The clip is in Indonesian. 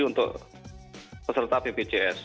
untuk peserta pbjs